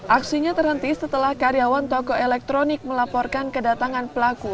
aksinya terhenti setelah karyawan toko elektronik melaporkan kedatangan pelaku